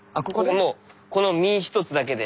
もうこの身一つだけで。